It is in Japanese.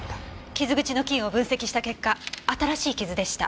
傷口の菌を分析した結果新しい傷でした。